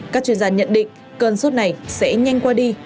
các chuyên gia nhận định cơn sốt này sẽ nhanh qua đi